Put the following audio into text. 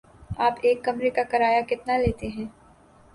آپ ایک کمرے کا کرایہ کتنا لیتے ہیں؟